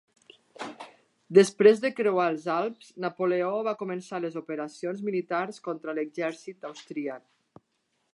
Després de creuar els Alps, Napoleó va començar les operacions militars contra l'exèrcit austríac.